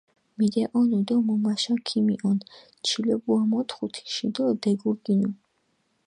მიდეჸონუ დო მუმაშა ქიმიჸონ, ჩილობუა მოთხუ თიში დო დეგურგინუ.